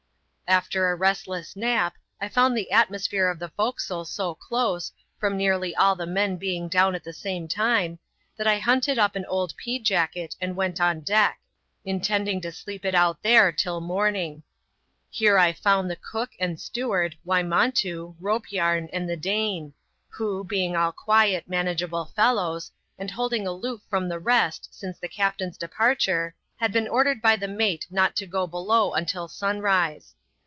After a restless nap, I found the atmosphere of the forecastle BO dose, from nearly all the men being down at the same time, that I hunted up an old pea jacket and went on ^e^% yoX^ti^^^^ to sleep it out there till morning. Here 1 towcv^i \Xi<^ c.qO&. ^sA 90 ADVENTURES IN THE SOUTH SEAS. [chap, xxm steward, Wjinontoo, Hope Yam, and the Dane ; who, bemg all quiet, manageable fellows, and holding aloof from the rest since the captain's departure, had been ordered hy the mate not to go below until sunrise.